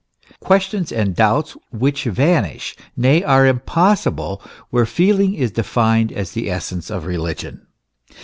questions and doubts which vanish, nay, are impossible, where feeling is defined as the essence of religion.